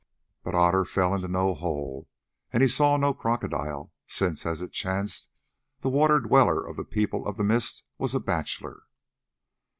But Otter fell into no hole and he saw no crocodile, since, as it chanced, the Water Dweller of the People of the Mist was a bachelor.